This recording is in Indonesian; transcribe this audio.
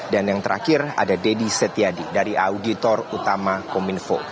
dan yang terakhir ada deddy setiadi dari auditor utama kominfo